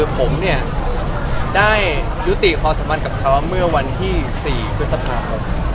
ผมได้ยุติความสำคัญกับเขาเมื่อวันที่๔พฤษภาพ